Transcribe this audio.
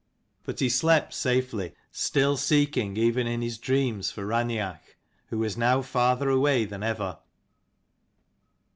But he slept safely, 252 still seeking even in his dreams for Raineach, who was now farther away than ever.